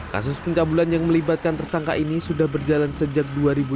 kasus pencabulan yang melibatkan tersangka ini sudah berjalan sejak dua ribu enam belas